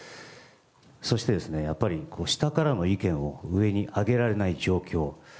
そして、下からの意見を上に上げられない状況。